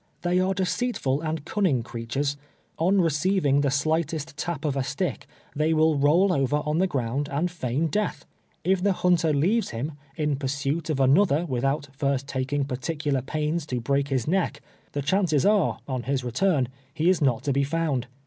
They are deceitful and cunning creatures. On receiving the slightest tap of a stick, they will roll over on the ground and feign death. If the hunter leaves him, in pursuit of anoth er, without first taking particular pains to break his neck, the chances are, on his return, he is not to be f(jund.